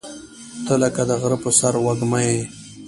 • ته لکه د غره پر سر وږمه یې.